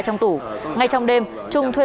trong tủ ngay trong đêm trung thuê